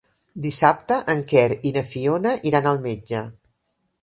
Dissabte en Quer i na Fiona iran al metge.